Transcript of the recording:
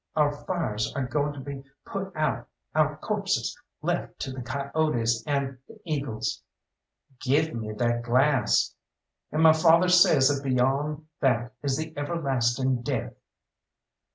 Our fires are goin' to be put out, our corpses left to the coyotes and the eagles." "Give me that glass!" "And my father says that beyond that is the Everlastin' Death."